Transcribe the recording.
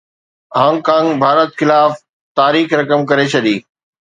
Hong Kong Bharat خلاف تاريخ رقم ڪري ڇڏي